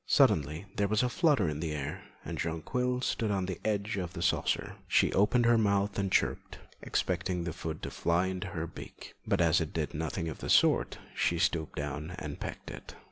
Suddenly there was a flutter in the air, and Jonquil stood on the edge of the saucer. She opened her mouth and chirped, expecting the food to fly into her beak; but as it did nothing of the sort, she stooped down and pecked it.